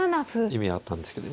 意味はあったんですけど。